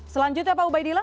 selanjutnya pak ubaidillah